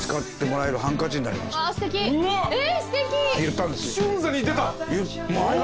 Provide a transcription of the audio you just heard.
えっ？